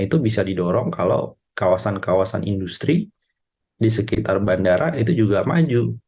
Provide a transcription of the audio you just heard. itu bisa didorong kalau kawasan kawasan industri di sekitar bandara itu juga maju